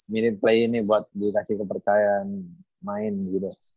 minute play ini buat dikasih kepercayaan main gitu